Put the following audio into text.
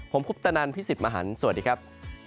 ผมคุปตะนันพี่สิทธิ์มหันฯสวัสดีครับ